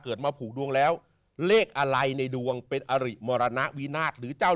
มาผูกดวงแล้วเลขอะไรในดวงเป็นอริมรณวินาศหรือเจ้า